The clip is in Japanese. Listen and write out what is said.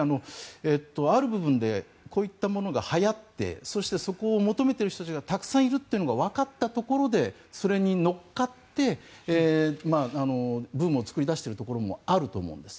ある部分でこういったものがはやってそしてそこを求めている人たちがたくさんいることがわかったうえでそれに乗っかってブームを作り出しているところもあると思うんです。